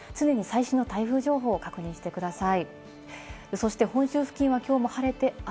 常に最新の台風情報を確認してください。